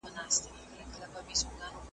ونې د چاپېریال ساتنه کوي.